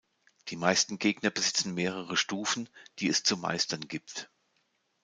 Die meisten Gegner besitzen mehrere Stufen, die es zu meistern gibt.